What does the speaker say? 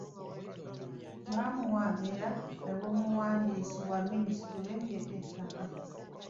Baamuwaabira ew'omuwandiisi wa minisitule y'ebyettaka